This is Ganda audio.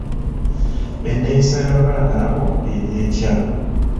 Enneeyisa y'abaana abo eri etya?